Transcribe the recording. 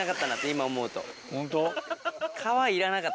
今思うと。